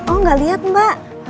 oh enggak lihat mbak